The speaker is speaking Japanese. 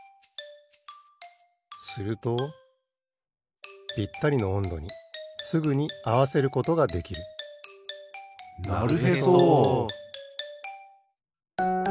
するとぴったりのおんどにすぐにあわせることができるなるへそ！